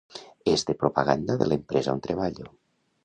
És de propaganda de l'empresa on treballo